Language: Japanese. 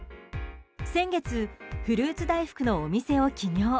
先月フルーツ大福のお店を起業。